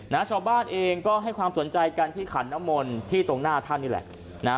ชาวบ้านเองก็ให้ความสนใจกันที่ขันน้ำมนที่ตรงหน้าท่านนี่แหละนะฮะ